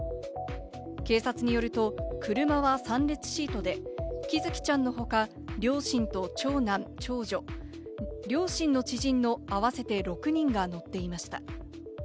警察によると車は３列シートで、喜寿生ちゃんの他には両親と長男、長女、両親の知人の合わせて６人が乗っていました。